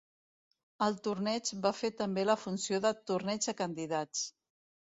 El torneig va fer també la funció de Torneig de Candidats.